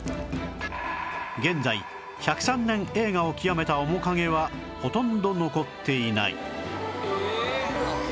現在１０３年栄華を極めた面影はほとんど残っていない